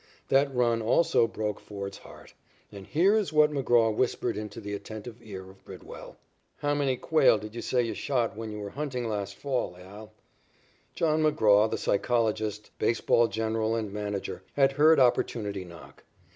That run also broke Ford's heart. And here is what McGraw whispered into the attentive ear of Bridwell: "How many quail did you say you shot when you were hunting last fall, Al?" John McGraw, the psychologist, baseball general and manager, had heard opportunity knock.